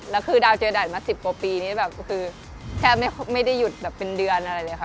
แล้วคือดาวเจอด่านมา๑๐กว่าปีนี้แบบคือแทบไม่ได้หยุดแบบเป็นเดือนอะไรเลยค่ะ